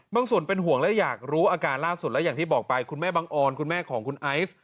ส่วนเป็นห่วงและอยากรู้อาการล่าสุดและอย่างที่บอกไปคุณแม่บังออนคุณแม่ของคุณไอซ์